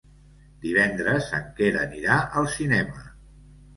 Divendres en Quer anirà al cinema.